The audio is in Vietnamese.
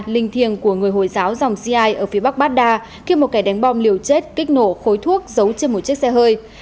linh thiêng của người hồi giáo dòng cia ở phía bắc baghdad khi một kẻ đánh bom liều chết kích nổ khối thuốc giấu trên một chiếc xe hơi